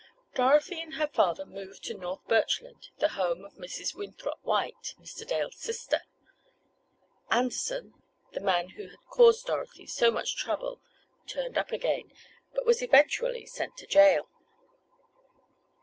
Dorothy and her father moved to North Birchland, the home of Mrs. Winthrop White, Mr. Dale's sister. Anderson, the man who had caused Dorothy so much trouble turned up again, but was eventually sent to jail.